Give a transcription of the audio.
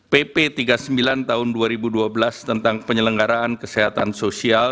pp tiga puluh sembilan tahun dua ribu dua belas tentang penyelenggaraan kesehatan sosial